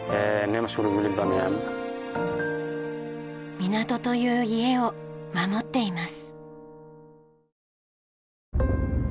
港という家を守っています。